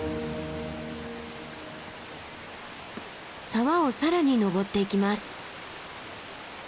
沢を更に登っていきます。